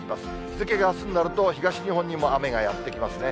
日付があすになると東日本にも雨がやって来ますね。